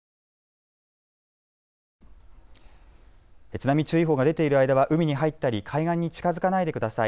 津波注意報が出ている間は海に入ったり、海岸に近づかないでください。